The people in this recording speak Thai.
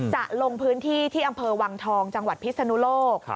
จะลงพื้นที่ที่อำเภอวังทองจังหวัดพิศนุโลก